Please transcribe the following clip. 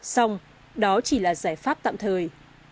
xong đó chỉ là giải pháp tạm thời